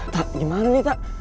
tak gimana nih tak